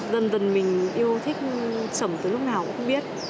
dần dần mình yêu thích sẩm từ lúc nào cũng không biết